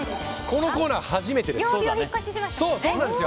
このコーナー、初めてです。